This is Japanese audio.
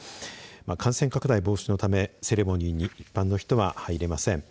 感染拡大防止のためセレモニーに一般の人は入れません。